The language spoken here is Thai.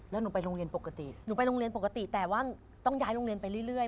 แล้วหนูไปโรงเรียนปกติหนูไปโรงเรียนปกติแต่ว่าต้องย้ายโรงเรียนไปเรื่อย